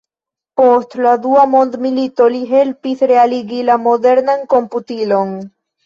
Post la dua mondmilito li helpis realigi la modernan komputilon.